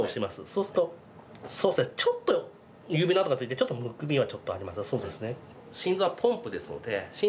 そうするとそうですねちょっと指の跡がついてちょっとむくみはちょっとありますが。